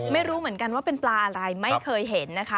ไม่รู้เหมือนกันว่าเป็นปลาอะไรไม่เคยเห็นนะคะ